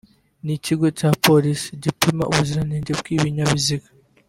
ni ikigo cya Polisi gipima ubuziranenge bw’ibinyabiziga